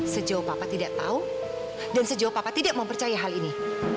sejauh bapak tidak tahu dan sejauh bapak tidak mempercaya hal ini